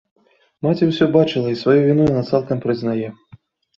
Маці ўсё бачыла, сваю віну яна цалкам прызнае.